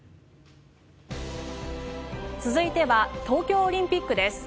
続いては東京オリンピックです。